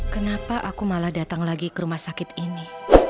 kenapa aku malah datang lagi ke rumah sakit ini